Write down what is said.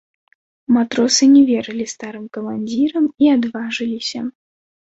Матросы не верылі старым камандзірам і адважыліся.